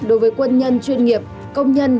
đối với quân nhân chuyên nghiệp công nhân